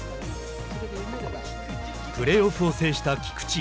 プレーオフを制した菊地。